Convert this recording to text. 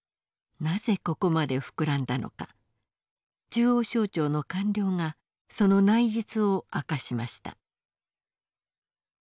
なぜここまで膨らんだのか中央省庁の官僚がその内実を明かしました。